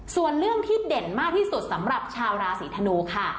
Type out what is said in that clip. ส่วนเรื่องที่เด่นมากที่สุดสำหรับชาวราศีธนูค่ะ